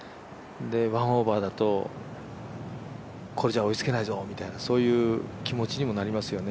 １オーバーだとこれじゃ追いつけないぞとそういう気持ちにもなりますよね。